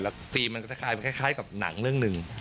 แล้วธีมมันก็จะกลายเป็นคล้ายกับหนังเรื่องหนึ่ง